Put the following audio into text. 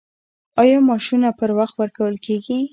آیا معاشونه پر وخت ورکول کیږي؟